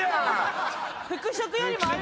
「服飾」よりもある。